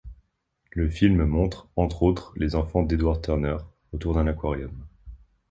Le film montre entre autres les enfants d'Edward Turner autour d'un aquarium.